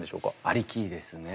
ありきですね。